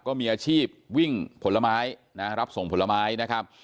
ก็มีอาชีพวิ่งผลไม้นะรับส่งผลไม้นะครับ